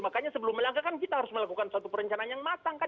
makanya sebelum melangkah kan kita harus melakukan suatu perencanaan yang matang kan